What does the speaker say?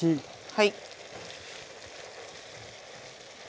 はい！